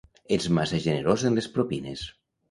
Ets massa generós en les propines.